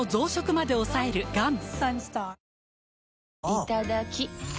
いただきっ！